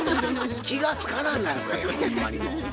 気が付かなんだのかいほんまにもう。